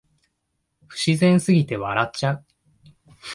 不自然すぎて笑っちゃう